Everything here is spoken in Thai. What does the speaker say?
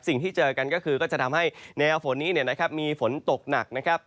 สิ่งที่เจอกันก็คือก็จะทำให้แนวฝนนี้เนี่ยนะครับมีฝนตกหนักนะครับ